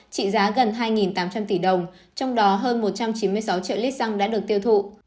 trị giá gần hai tám trăm linh tỷ đồng trong đó hơn một trăm chín mươi sáu triệu lít xăng đã được tiêu thụ